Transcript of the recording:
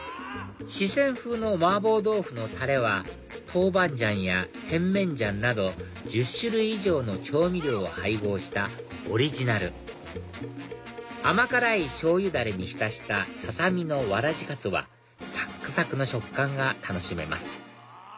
四川風の麻婆豆腐のタレは豆板醤や甜麺醤など１０種類以上の調味料を配合したオリジナル甘辛いしょうゆダレに浸したささ身のわらじかつはサックサクの食感が楽しめます